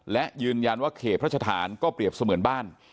เพราะฉะนั้นว่าเขพัฒนฐานก็เปรียบเสมือนบ้าน